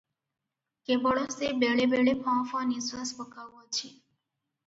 କେବଳ ସେ ବେଳେବେଳେ ଫଁ ଫଁ ନିଃଶ୍ୱାସ ପକାଉଅଛି ।